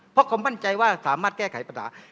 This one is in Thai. เพราะเขามั่นใจว่าสามารถแก้ไขปัญหา